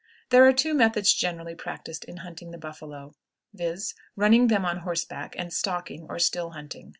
There are two methods generally practiced in hunting the buffalo, viz.: running them on horseback, and stalking, or still hunting.